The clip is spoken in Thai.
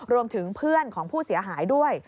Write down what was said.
รวมถึงเพื่อนของผู้เสียหายด้วย